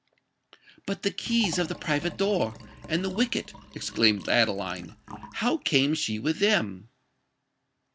"But the keys of the private door and the wicket?" exclaimed Adeline: "how came she with them?"